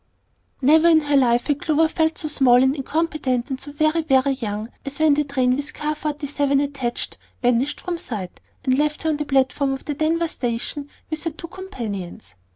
Never in her life had Clover felt so small and incompetent and so very, very young as when the train with Car Forty seven attached vanished from sight, and left her on the platform of the Denver station with her two companions.